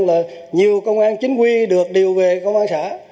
là nhiều công an chính quy được điều về công an xã